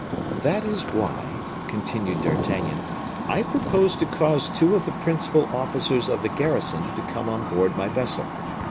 "That is why," continued D'Artagnan, "I propose to cause two of the principal officers of the garrison to come on board my vessel.